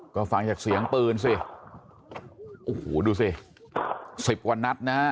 ก็ฟังจากเสียงปืนสิโอ้โหดูสิสิบกว่านัดนะฮะ